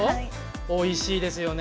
おいしいですよね？